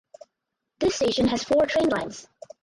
This station has four train lines.